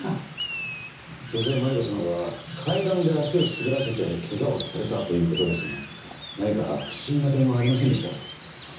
池添鞠子さんは階段で足を滑らせて怪我をされたという事ですが何か不審な点はありませんでしたか？